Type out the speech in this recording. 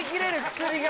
薬が！